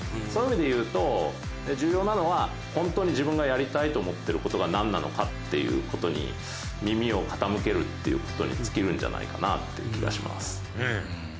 そういう意味でいうと重要なのはホントに自分がやりたいと思ってることが何なのかっていうことに耳を傾けるっていうことに尽きるんじゃないかなっていう気がします。